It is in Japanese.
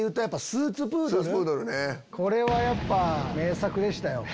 これはやっぱ名作でしたよ。